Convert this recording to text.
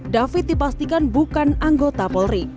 david dipastikan bukan anggota polri